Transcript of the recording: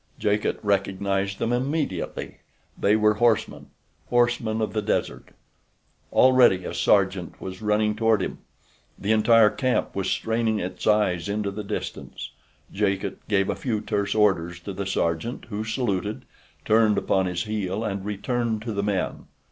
Jacot recognized them immediately. They were horsemen—horsemen of the desert. Already a sergeant was running toward him. The entire camp was straining its eyes into the distance. Jacot gave a few terse orders to the sergeant who saluted, turned upon his heel and returned to the men.